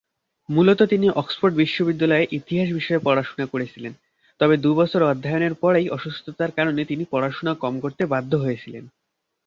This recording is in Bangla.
মূলত তিনি অক্সফোর্ড বিশ্ববিদ্যালয়ে ইতিহাস বিষয়ে পড়াশোনা করেছিলেন, তবে দু'বছর অধ্যয়নের পরেই অসুস্থতার কারণে তিনি পড়াশুনা কম করতে বাধ্য হয়েছিলেন।